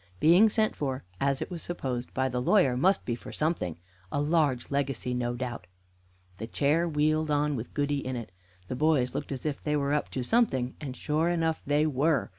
Being sent for, as it was supposed, by the lawyer must be for something a large legacy, no doubt. The chair wheeled on with Goody in it. The boys looked as if they were up to something, and sure enough they were.